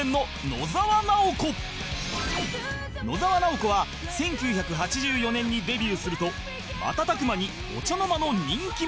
野沢直子は１９８４年にデビューすると瞬く間にお茶の間の人気者に